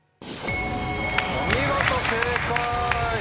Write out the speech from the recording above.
お見事正解。